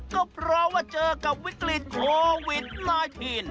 ก็เพราะว่าเจอกับวิกฤตโควิด๑๙